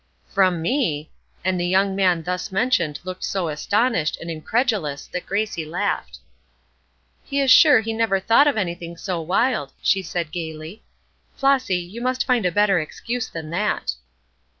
"From me!" and the young man thus mentioned looked so astonished and incredulous that Gracie laughed. "He is sure he never thought of anything so wild," she said, gayly. "Flossy, you must find a better excuse than that."